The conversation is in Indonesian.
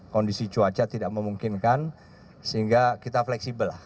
kondisi cuaca tidak memungkinkan sehingga kita fleksibel lah